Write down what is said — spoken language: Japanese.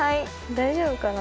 大丈夫かな。